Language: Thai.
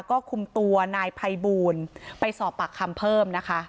ก็คุมตัวนายภัยบูลไปสอบปากคำเพิ่มนะคะ